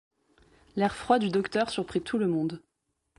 L’air froid du docteur surprit tout le monde.